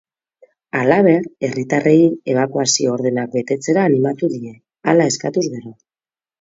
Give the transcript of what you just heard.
Halaber, herritarrei ebakuazio ordenak betetzera animatu die, hala eskatuz gero.